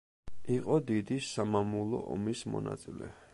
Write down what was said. იყო დიდი სამამულო ომის მონაწილე.